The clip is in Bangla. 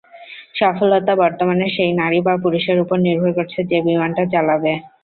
সফলতা, বর্তমানে সেই নারী বা পুরুষের ওপর নির্ভর করছে, যে বিমানটা চালাবে।